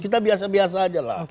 kita biasa biasa saja